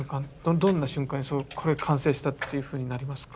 どんな瞬間にこれは完成したっていうふうになりますか？